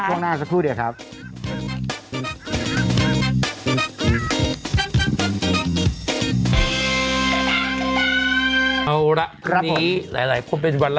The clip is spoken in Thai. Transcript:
ช่วงหน้าสักครู่เดี๋ยวครับ